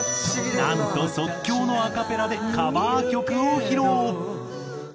なんと即興のアカペラでカバー曲を披露！